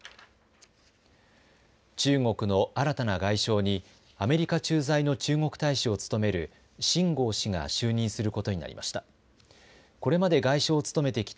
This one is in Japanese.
中国の新たな外相にアメリカ駐在の中国大使を務める秦剛氏が就任することになりました。